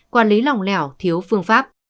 quản lý lòng lẻo thiếu phương pháp